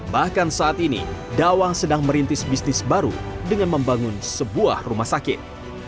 bahkan saat ini dawang sedang merintis bisnis baru dengan membangun sebuah rumah sakit